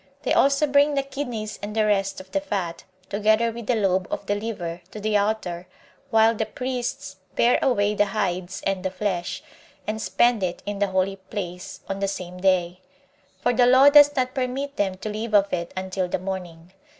They also bring the kidneys and the rest of the fat, together with the lobe of the liver, to the altar, while the priests bear away the hides and the flesh, and spend it in the holy place, on the same day; 23 for the law does not permit them to leave of it until the morning.